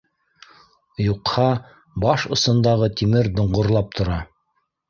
Юҡһа, баш осондағы тимер доңғорлап тора